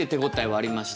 ありました。